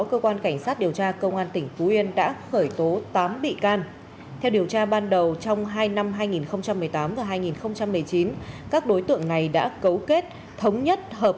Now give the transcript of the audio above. các tri bộ đều thành công tốt đẹp